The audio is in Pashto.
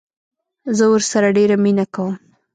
زه ورسره ډيره مينه کوم